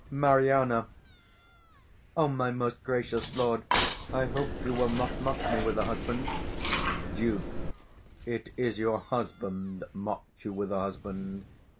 Mari. O my most gracious lord, I hope you will not mock me with a husband. 415 Duke. It is your husband mock'd you with a husband.